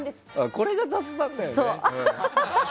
これが雑談だよね。